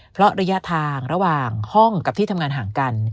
เพราะระยะทางระหว่างห้องกับที่ทำงานห่างกัน